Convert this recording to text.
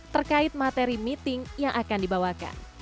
terkait materi meeting yang akan dibawakan